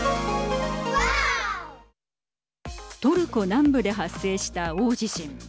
トルコ南部で発生した大地震。